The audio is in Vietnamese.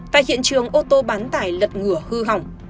tại hiện trường ô tô bán tải lật ngửa hư hỏng